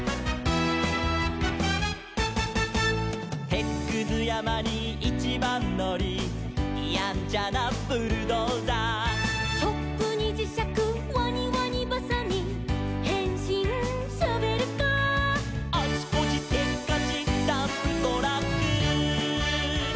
「てつくずやまにいちばんのり」「やんちゃなブルドーザー」「チョップにじしゃくワニワニばさみ」「へんしんショベルカー」「あちこちせっかちダンプトラック」